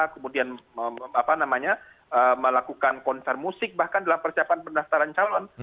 kemudian melakukan konser musik bahkan dalam persiapan pendaftaran calon